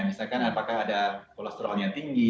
misalkan apakah ada kolesterolnya tinggi